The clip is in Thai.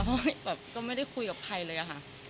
เพราะแบบก็ไม่ได้คุยกับใครเลยอะค่ะ